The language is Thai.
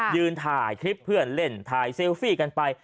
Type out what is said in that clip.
ยืนถ่ายคลิปเพื่อนเล่นถ่ายเซลฟี่กันไป